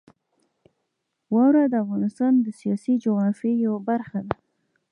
واوره د افغانستان د سیاسي جغرافیې یوه برخه ده.